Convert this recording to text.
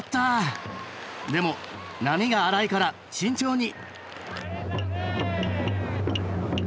でも波が荒いから慎重に！